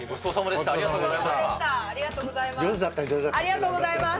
ありがとうございます。